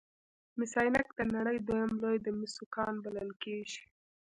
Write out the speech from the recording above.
مس عینک د نړۍ دویم لوی د مسو کان بلل کیږي.